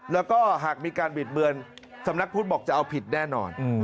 แล้วก็หากมีการบิดเบือนสำนักพุทธบอกจะเอาผิดแน่นอน